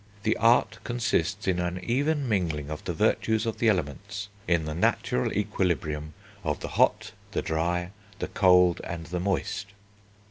"The art consists in an even mingling of the virtues of the Elements; in the natural equilibrium of the hot, the dry, the cold, and the moist."